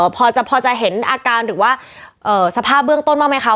พอจะเห็นสภาพเบื้องต้นมากมั้ยคะ